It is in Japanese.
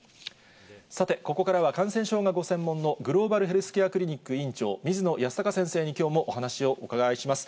さて、ここからは感染症がご専門のグローバルヘルスケアクリニック院長、水野泰孝先生にきょうもお話をお伺いします。